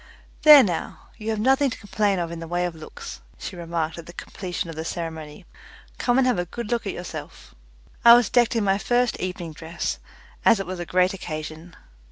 "There now, you have nothing to complain of in the way of looks," she remarked at the completion of the ceremony. "Come and have a good look at yourself." I was decked in my first evening dress, as it was a great occasion.